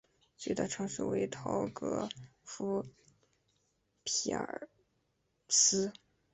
最大城市为陶格夫匹尔斯。